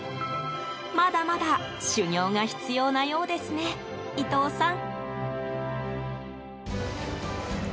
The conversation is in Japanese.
まだまだ修業が必要なようですね、伊藤さん。